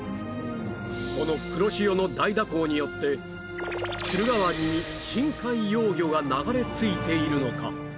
この黒潮の大蛇行によって駿河湾に深海幼魚が流れ着いているのか？